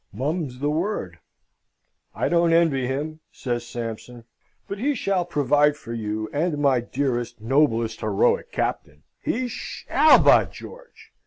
Mum's the word! "I don't envy him," says Sampson, "but he shall provide for you and my dearest, noblest, heroic captain! He SHALL, by George!"